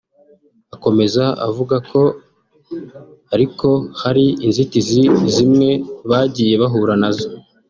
Akomeza avuga ko ariko hari inzitizi zimwe bagiye bahura nazo